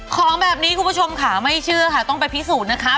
ของแบบนี้คุณผู้ชมค่ะไม่เชื่อค่ะต้องไปพิสูจน์นะคะ